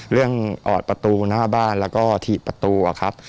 ออดประตูหน้าบ้านแล้วก็ถีบประตูอะครับ